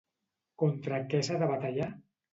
Contra què s'ha de batallar?